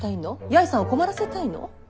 八重さんを困らせたいの？